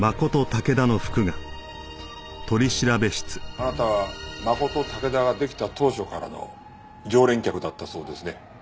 あなたはマコトタケダが出来た当初からの常連客だったそうですね。